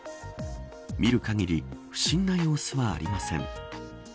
見る限り不審な様子はありません。